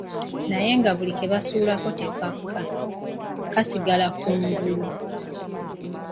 Naye nga buli ke basuulako tekakka, kasigala ku ngulu.